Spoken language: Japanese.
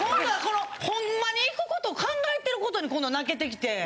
ホンマに行くことを考えてることに今度は泣けてきて。